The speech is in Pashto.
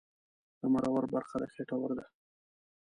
د مرور برخه د خېټور ده